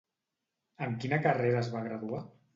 En quina carrera es va graduar?